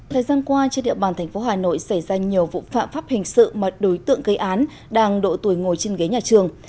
thời gian qua trên địa bàn thành phố hà nội xảy ra nhiều vụ phạm pháp hình sự mà đối tượng gây án đang độ tuổi ngồi trên ghế nhà trường